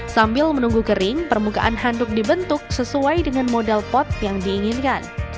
sambil menunggu kering permukaan handuk dibentuk sesuai dengan modal pot yang diinginkan